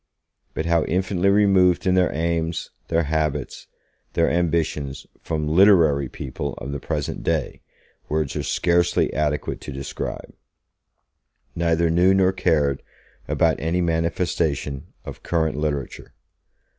But how infinitely removed in their aims, their habits, their ambitions from 'literary' people of the present day, words are scarcely adequate to describe. Neither knew nor cared about any manifestation of current literature.